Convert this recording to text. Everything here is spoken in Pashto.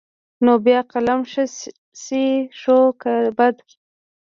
نو بيا قلم ښه شى شو که بد.